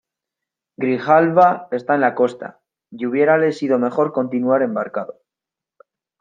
Grijalba está en la costa, y hubiérale sido mejor continuar embarcado.